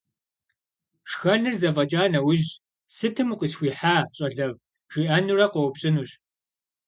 Шхэныр зэфӀэкӀа нэужь, сытым укъысхуихьа, щӀалэфӀ, жиӀэнурэ къоупщӀынущ.